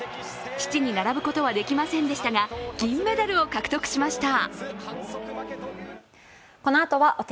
父に並ぶことはできませんでしたが、銀メダルを獲得しました。